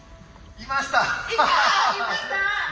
いました？